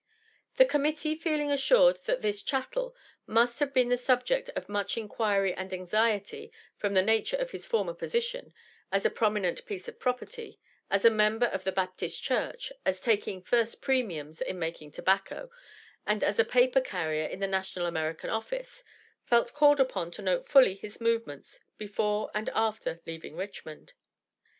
The Committee feeling assured that this "chattel" must have been the subject of much inquiry and anxiety from the nature of his former position, as a prominent piece of property, as a member of the Baptist church, as taking "first premiums" in making tobacco, and as a paper carrier in the National American office, felt called upon to note fully his movements before and after leaving Richmond.